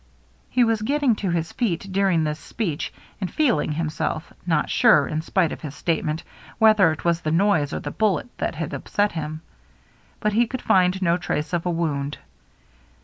He was getting to his 36o THE MERRY ASNE feet during this speech and feeling himself, not sure, in spite of his statement, whether it was the noise or the bullet that had upset him. But he could find no trace of a wound.